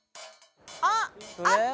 あっあった！